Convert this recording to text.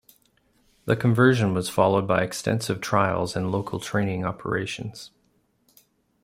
The conversion was followed by extensive trials and local training operations.